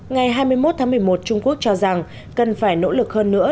ngày hai mươi một tháng một mươi một trung quốc cho rằng cần phải nỗ lực hơn nữa